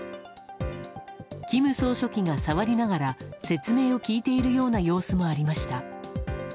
金総書記が触りながら説明を聞いているような様子もありました。